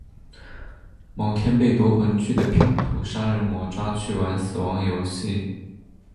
某天被夺魂锯的拼图杀人魔抓去玩死亡游戏。